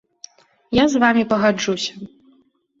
Я з вамі пагаджуся.